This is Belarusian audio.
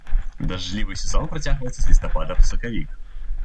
Дажджлівы сезон працягваецца з лістапада па сакавік.